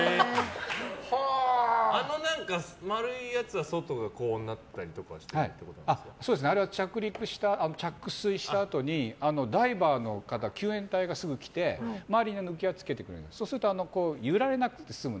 あの丸いやつは外が高温になったりあれは着水したあとにダイバーの方救援隊がすぐ来て周りに浮き輪をつけてくれてそうすると揺られなくて済む。